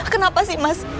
kenapa sih mas